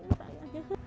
terima kasih sih